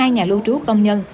hai nhà lưu trú công nhân